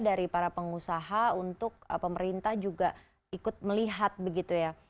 dari para pengusaha untuk pemerintah juga ikut melihat begitu ya